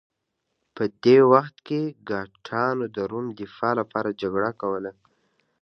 په دې وخت کې ګاټانو د روم دفاع لپاره جګړه کوله